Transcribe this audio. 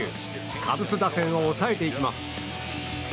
カブス打線を抑えていきます。